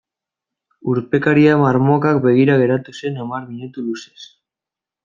Urpekaria marmokak begira geratu zen hamar minutu luzez.